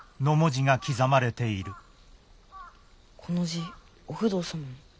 この字お不動様の？